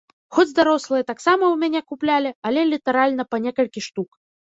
Хоць дарослыя таксама ў мяне куплялі, але літаральна па некалькі штук.